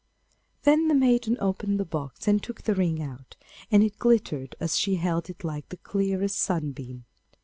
Then the maiden opened the box and took the ring out, and it glittered as she held it like the clearest sunbeam.